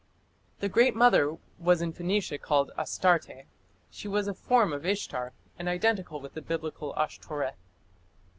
The Great Mother was in Phoenicia called Astarte; she was a form of Ishtar, and identical with the Biblical Ashtoreth.